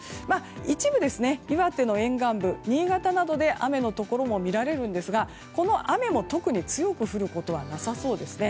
一部、岩手の沿岸部新潟などで雨のところも見られますがこの雨も特に強く降ることはなさそうですね。